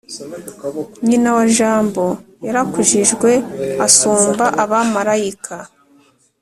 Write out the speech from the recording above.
nyina wa jambo yarakujijwe asumba abamarayika